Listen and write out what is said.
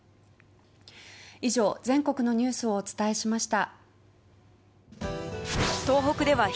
以上、全国のニュースをお伝えしました。